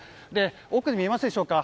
奥に見えますでしょうか